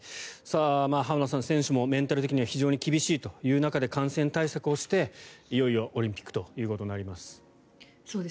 浜田さん、選手もメンタル的に厳しいという中で感染対策をしていよいよオリンピックということになります。